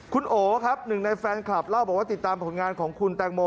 คุณโอครับหนึ่งในแฟนคลับเล่าบอกว่าติดตามผลงานของคุณแตงโม